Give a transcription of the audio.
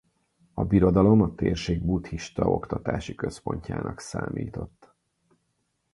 A birodalom a térség buddhista oktatási központjának számított.